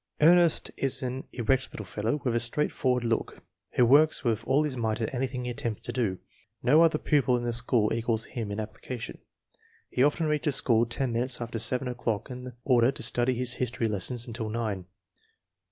Ernest is an erect little fellow, with a straightforward look, who works with all his might at anything he attempts to do. No other pupil in the school equals him in application. He often reaches school ten minutes after seven o'clock in order to study his history lesson until nine.